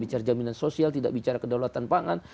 bicara jaminan sosial tidak bicara kedaulatan pangan